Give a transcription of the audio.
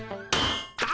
あ！